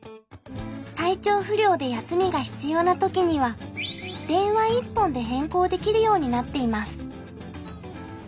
体調不良で休みが必要な時には電話一本で変更できるようになっています。